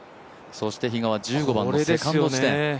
そして比嘉は１５番のセカンド地点。